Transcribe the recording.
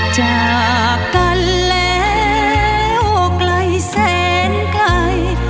จากกันแล้วไกลแสนไกล